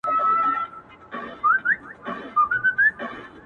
په دې نن د وطن ماځيگرى ورځيــني هــېـر سـو